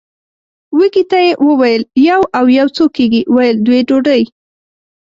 وږي ته یې وویل یو او یو څو کېږي ویل دوې ډوډۍ!